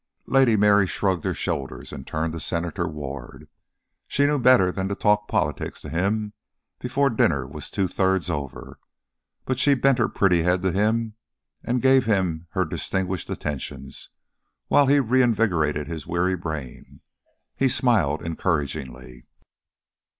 Lady Mary shrugged her shoulders and turned to Senator Ward. She knew better than to talk politics to him before dinner was two thirds over, but she bent her pretty head to him, and gave him her distinguished attentions while he re invigorated his weary brain. He smiled encouragingly.